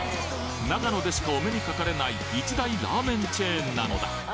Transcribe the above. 長野でしかお目にかかれない一大ラーメンチェーンなのだ